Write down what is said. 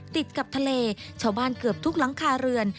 ติดกับทะเลชาวบ้านเกือบทุกหลังคาเรือน